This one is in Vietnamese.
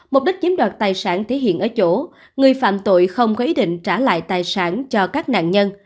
mục đích chiếm đoạt tài sản thể hiện ở chỗ người phạm tội không có ý định trả lại tài sản cho các nạn nhân